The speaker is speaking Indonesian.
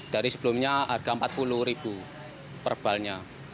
dari sebelumnya harga rp empat puluh per balnya